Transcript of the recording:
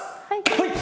はい！